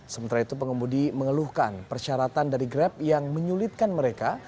sementara itu pengemudi mengeluhkan persyaratan dari grab yang menyulitkan mereka